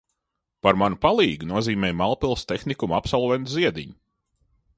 Par manu palīgu nozīmēja Mālpils tehnikumu absolventu Ziediņu.